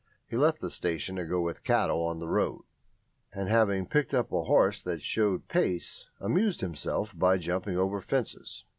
He left the station to go with cattle on the road, and having picked up a horse that showed pace, amused himself by jumping over fences.